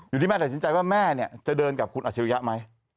ที่แม่ตัดสินใจว่าแม่เนี่ยจะเดินกับคุณอัชริยะไหม